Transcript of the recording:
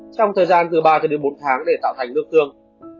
trong thời gian từ ba bốn tháng để tạo thành nước tương